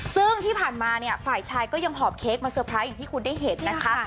ซึ่งที่ผ่านมาเนี่ยฝ่ายชายก็ยังหอบเค้กมาเตอร์ไพรส์อย่างที่คุณได้เห็นนะคะ